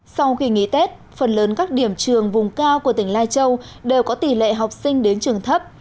sau khi nghỉ tết phần lớn các điểm trường vùng cao của tỉnh lai châu đều có tỷ lệ học sinh đến trường thấp